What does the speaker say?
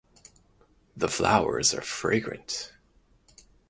The flowers are fragrant.